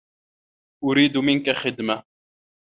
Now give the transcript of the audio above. أريد منك خدمة.